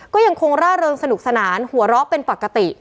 ก็ยังคงร่าเริงสนุกสนานหัวเราะเป็นปกติ